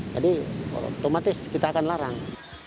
jadi otomatis kita akan larang